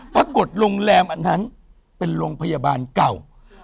โรงแรมอันนั้นเป็นโรงพยาบาลเก่า